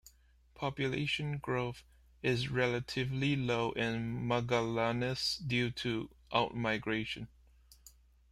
Population growth is relatively low in Magallanes due to outmigration.